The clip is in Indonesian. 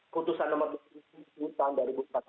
kutusan nomor bukti itu tahun dua ribu empat belas ini